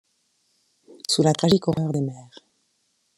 Sous là tragique horreur des mers.